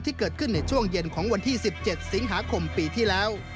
ที่เกิดขึ้นในช่วงเย็นของวันที่๑๗สิงหาคมปีที่แล้ว